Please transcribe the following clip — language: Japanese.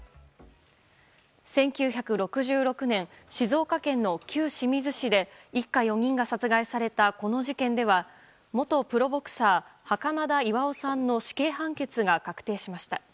１９６６年、静岡県の旧清水市で一家４人が殺害されたこの事件では元プロボクサー、袴田巌さんの死刑判決が確定しました。